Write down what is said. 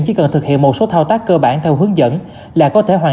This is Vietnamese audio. thì em thấy nó rất là nhiều tiện ích cho em